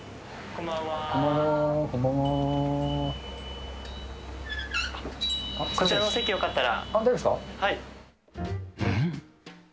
こちらの席、よかったら。